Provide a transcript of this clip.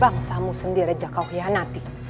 bangsamu sendiri aja kau hianati